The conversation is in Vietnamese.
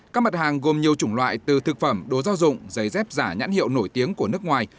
các mặt hàng gồm nhiều chủng loại từ thực phẩm đồ gia dụng giấy dép giả nhãn hiệu nổi tiếng của nước ngoài